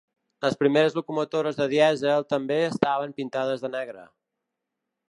Les primeres locomotores de dièsel també estaven pintades de negre.